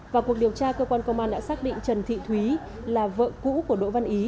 vào cuộc điều tra cơ quan công an đã xác định trần thị thúy là vợ cũ của đỗ văn ý